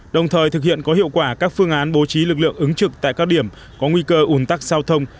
đồng thời thực hiện có hiệu quả các phương án bố trí lực lượng ứng trực tại các điểm có nguy cơ ủn tắc giao thông